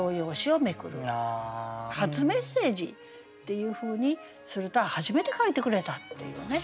「初メッセージ」っていうふうにすると初めて書いてくれたっていうね